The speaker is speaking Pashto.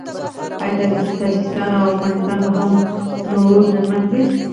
آیا تاجکستان او افغانستان هم نوروز نه لمانځي؟